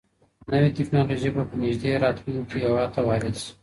نوي تکنالوژي به په نږدې راتلونکي کي هيواد ته وارد سي.